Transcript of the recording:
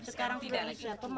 sekarang tidak lagi